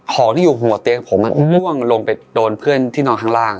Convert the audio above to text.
ของที่อยู่หัวเตียงผมมันล่วงลงไปโดนเพื่อนที่นอนข้างล่าง